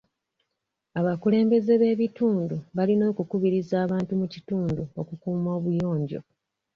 Abakulembeze b'ebitundu balina okukubiriza abantu mu kitundu okukuuma obuyonjo.